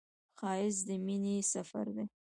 ښایست د مینې سفر دی